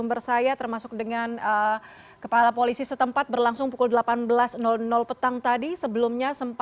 bersyukur kalau ada yang n two club